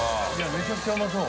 めちゃくちゃうまそう。